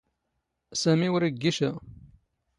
ⵙⴰⵎⵉ ⵓⵔ ⵉⴳⴳⵉ ⵛⴰ.